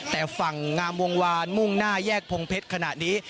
แต่ฝั่งงามวงวานมุ่งหน้าแยกพงเพชรขณะนี้